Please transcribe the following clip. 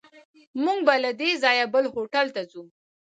موږ به له دې ځایه بل هوټل ته ځو.